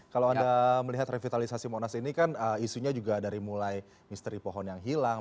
kalau anda melihat revitalisasi monas ini kan isunya juga dari mulai misteri pohon yang hilang